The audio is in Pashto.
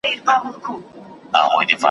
زړه یې ووتی له واکه نا آرام سو `